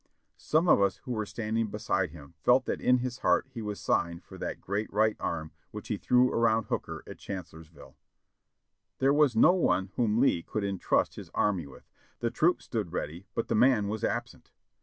Some of us who were standing be side him felt that in his heart he was sighing for that great right arm which he threw around Hooker at Chancellorsville." There was no one whom Lee could entrust his army with. The troops stood ready but the man was absent.